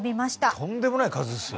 とんでもない数ですよ。